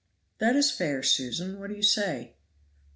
"That is fair, Susan; what do you say?"